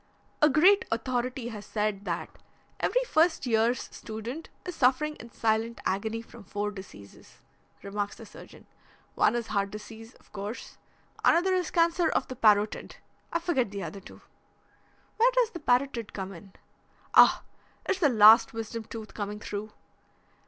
"A great authority has said that every first year's student is suffering in silent agony from four diseases," remarks the surgeon. "One is heart disease, of course; another is cancer of the parotid. I forget the two other." "Where does the parotid come in?" "Oh, it's the last wisdom tooth coming through!"